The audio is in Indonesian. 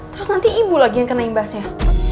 terus nanti ibu lagi yang kena imbasnya